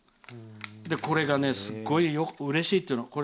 これがすごいうれしいというの。